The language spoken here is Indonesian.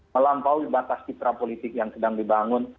melampaui batas citra politik yang sedang dibangun